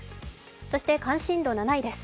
そして関心度７位です。